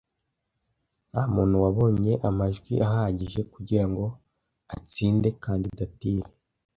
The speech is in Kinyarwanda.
Ntamuntu wabonye amajwi ahagije kugirango atsinde kandidatire.